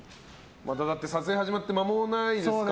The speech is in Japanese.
撮影始まって間もないですか？